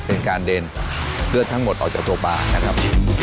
เป็นการเด็นเลือดทั้งหมดออกจากตัวปลานะครับ